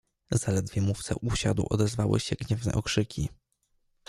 "Zaledwie mówca usiadł odezwały się gniewne okrzyki."